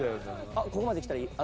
あっここまで来たらいい。